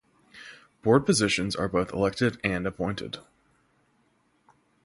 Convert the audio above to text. Board positions are both elected and appointed.